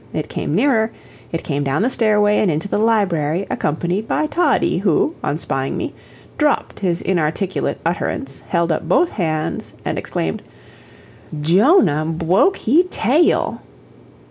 It came nearer it came down the stairway and into the library, accompanied by Toddie, who, on spying me, dropped his inarticulate utterance, held up both hands, and exclaimed: "Djonah bwoke he tay al!"